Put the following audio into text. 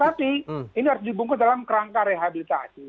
tapi ini harus dibungkus dalam kerangka rehabilitasi